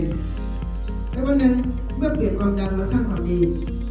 และวันนั้นเมื่อเปลี่ยนความดังและสร้างความดี